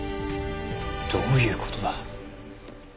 どういう事だ？